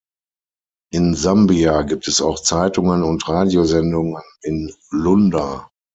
In Sambia gibt es auch Zeitungen und Radiosendungen in Lunda.